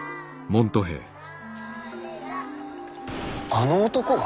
あの男が？